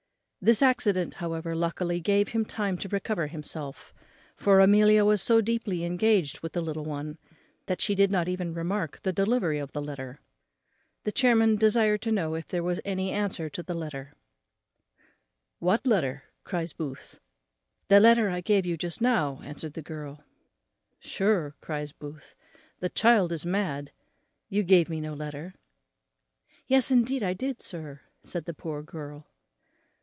This accident, however, luckily gave him time to recover himself; for Amelia was so deeply engaged with the little one, that she did not even remark the delivery of the letter. The maid soon after returned into the room, saying, the chairman desired to know if there was any answer to the letter. "What letter?" cries Booth. "The letter I gave you just now," answered the girl. "Sure," cries Booth, "the child is mad, you gave me no letter." "Yes, indeed, I did, sir," said the poor girl.